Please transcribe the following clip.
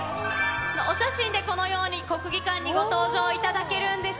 お写真でこのように国技館にご登場いただけるんです。